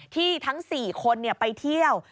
ทั้ง๔คนไปเที่ยว